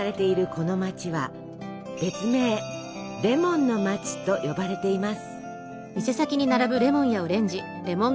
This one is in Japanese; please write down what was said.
この街は別名レモンの街と呼ばれています。